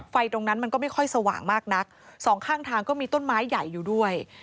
ไฟตรงนั้นมันก็ไม่ค่อยสว่างมากนักสองข้างทางก็มีต้นไม้ใหญ่อยู่ด้วย